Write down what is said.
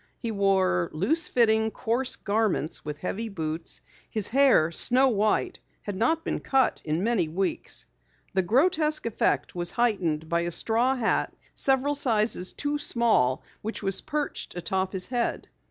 He wore loose fitting, coarse garments with heavy boots. His hair, snow white, had not been cut in many weeks. The grotesque effect was heightened by a straw hat several sizes too small which was perched atop his head.